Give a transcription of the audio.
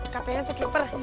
katanya itu keeper